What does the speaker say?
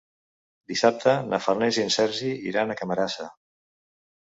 Dissabte na Farners i en Sergi iran a Camarasa.